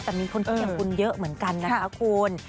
แต่มีคนพิวงคล์เยอะเหมือนกันนะคะคุณ